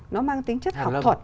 nó mang tính chất học thuật